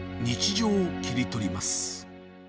日常を切り取ります。